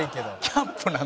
キャンプなので。